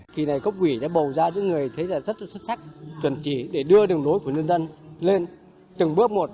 kỳ này cốc quỷ đã bầu ra những người thấy rất là xuất sắc tuần trí để đưa đường đối của nhân dân lên từng bước một